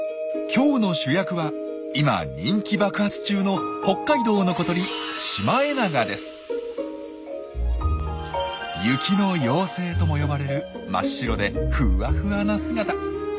今日の主役は今人気爆発中の北海道の小鳥「雪の妖精」とも呼ばれる真っ白でふわふわな姿。